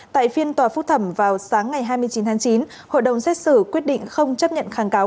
tại phiên tòa phúc thẩm vào sáng ngày hai mươi chín tháng chín hội đồng xét xử quyết định không chấp nhận kháng cáo